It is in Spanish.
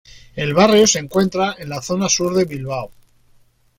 El barrio se encuentra en la zona sur de Bilbao.